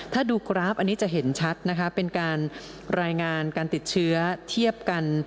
ถ้าดูกราฟอันนี้จะเห็นชัดนะคะเป็นการรายงานการติดเชื้อเทียบกัน